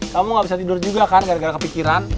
kamu gak bisa tidur juga kan gara gara kepikiran